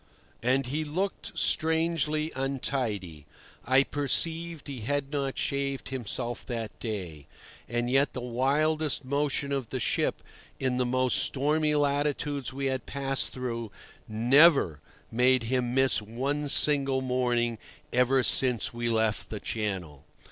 And he looked strangely untidy. I perceived he had not shaved himself that day; and yet the wildest motion of the ship in the most stormy latitudes we had passed through, never made him miss one single morning ever since we left the Channel.